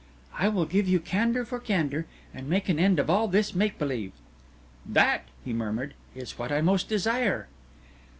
"I will give you candour for candour, and make an end of all this make believe." "That," he murmured, "is what I most desire."